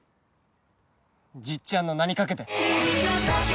じっちゃんの名にかけて！